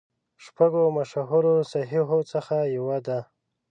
شپږو مشهورو صحیحو څخه یوه ده.